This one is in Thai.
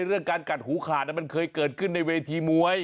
เรื่องการกัดหูขาดมันเคยเกิดขึ้นในเวทีมวย